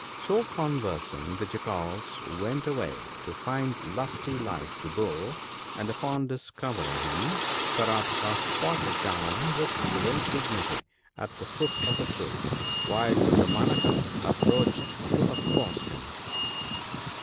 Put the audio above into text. ." So conversing, the Jackals went away to find Lusty life the Bull, and upon discovering him, Karataka squatted down with great dignity at the foot of a tree, while Damanaka approached to accost him.